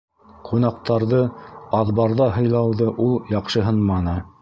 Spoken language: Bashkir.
Ҡунаҡтарҙы аҙбарҙа һыйлауҙы ул яҡшыһынманы.